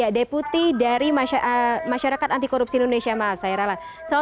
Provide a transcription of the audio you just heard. deputi dari masyarakat antikorupsi indonesia maaf saya rala